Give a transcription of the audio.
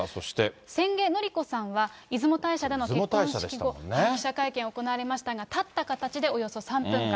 千家典子さんは、出雲大社での結婚式後、記者会見を行われましたが、立った形で、およそ３分間。